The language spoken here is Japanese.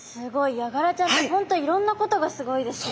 ヤガラちゃんって本当いろんなことがすごいですね。